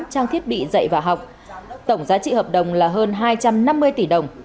trang thiết bị dạy và học tổng giá trị hợp đồng là hơn hai trăm năm mươi tỷ đồng